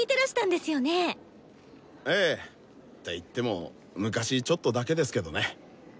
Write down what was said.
って言っても昔ちょっとだけですけどね。